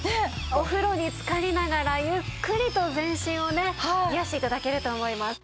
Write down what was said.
お風呂につかりながらゆっくりと全身をね癒やして頂けると思います。